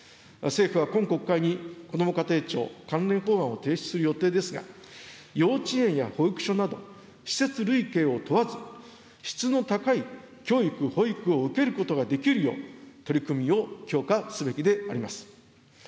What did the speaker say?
政府は今国会に、こども家庭庁関連法案を提出する予定ですが、幼稚園や保育所など、施設類型を問わず、質の高い教育・保育を受けることができるよう、取り組みを強化すべきであります。